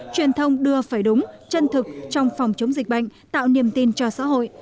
truyền thông đưa phải đúng chân thực trong phòng chống dịch bệnh tạo niềm tin cho xã hội